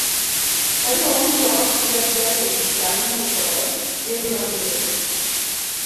Wajouso yedhe e duka miusoe yedhe mamero